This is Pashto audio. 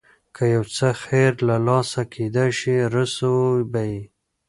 که یو څه خیر له لاسه کېدای شي رسوو به یې.